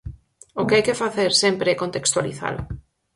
O que hai que facer sempre é contextualizalo.